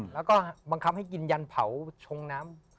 แล้วก็บังคับให้กินยันเผาชงน้ำ